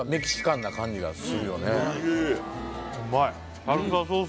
うまい